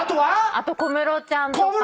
あと小室ちゃんとか。